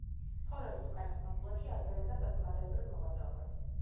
ცხოვრების უკანასკნელ წლებში აგრძელებდა საზოგადოებრივ მოღვაწეობას.